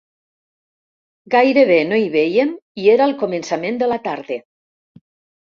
Gairebé no hi vèiem i era el començament de la tarda.